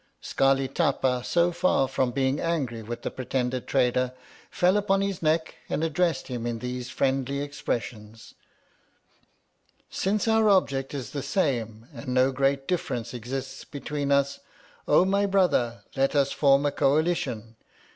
Scarli Tapa, so far from being angry with the pretended trader, fell upon his neck and addressed him in these friendly expressions : Since our object is the same and no great difference exists between us, O my brother, let us form a Coalition.